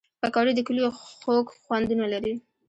پکورې د کلیو خوږ خوندونه لري